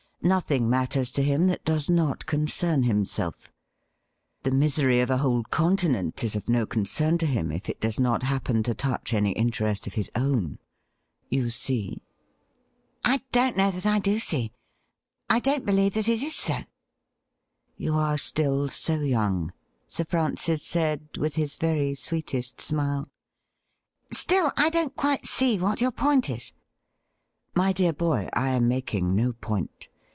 Nothing matters to him that does not concern himself. The misery of a whole continent is of no concern to him, if it does not happen to touch any interest of his own. You see .?' 'I don't know that I do see. I don't believe that it is so.' ' You are still so young,' Sir Francis said, with his very sweetest smile. ' Still, I don't quite see what your point is.' ' My dear boy, I am making no point.